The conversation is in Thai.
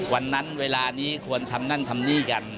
วันนั้นเวลานี้ควรทำนั่นทำนี่กัน